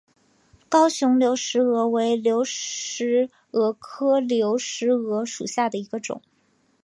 高雄流石蛾为流石蛾科流石蛾属下的一个种。